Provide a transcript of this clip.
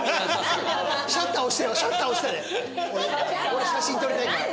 俺写真撮りたいから。